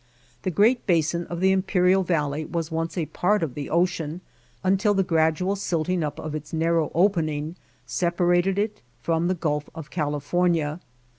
The great basin of the Imperial Valley was once a part of the ocean until the gradual silting up of its narrow opening separated it from the Gulf of California.